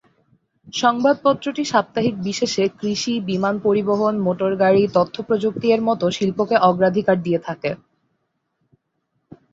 সংবাদপত্রটি সাপ্তাহিক বিশেষে কৃষি, বিমান পরিবহন, মোটরগাড়ি, তথ্যপ্রযুক্তি এর মতো শিল্পকে অগ্রাধিকার দিয়ে থাকে।